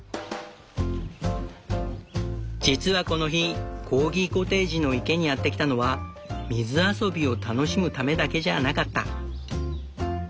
実はこの日コーギコテージの池にやって来たのは水遊びを楽しむためだけじゃあなかった。